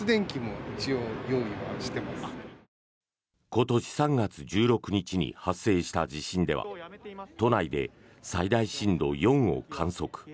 今年３月１６日に発生した地震では都内で最大震度４を観測。